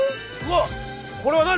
うわっこれは何？